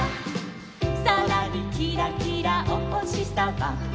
「そらにキラキラおほしさま」